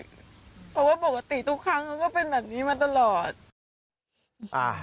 เพราะว่าปกติทุกครั้งมันก็เป็นแบบนี้มาตลอด